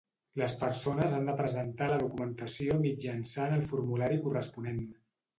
Les persones han de presentar la documentació mitjançant el formulari corresponent.